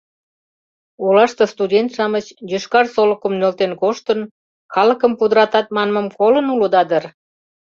Олаште студент-шамыч, йошкар солыкым нӧлтен коштын, калыкым пудыратат» манмым колын улыда дыр?